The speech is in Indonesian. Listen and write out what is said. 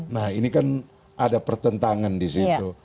nah ini kan ada pertentangan di situ